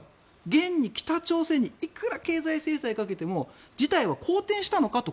現に北朝鮮にいくら経済制裁をかけても事態は好転したのかと。